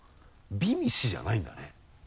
「美味し」じゃないんだね